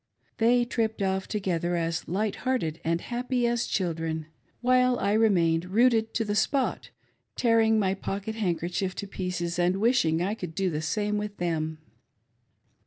They tripped off together as light hearted and happy as children, while I remained rooted to the spot, tearing my pocket hand kerchief to pieces, and wishing I could do the same with them.